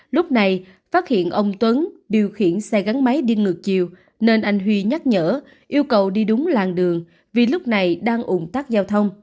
lúc này phát hiện ông tuấn điều khiển xe gắn máy đi ngược chiều nên anh huy nhắc nhở yêu cầu đi đúng làng đường vì lúc này đang ủng tắc giao thông